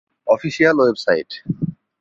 official website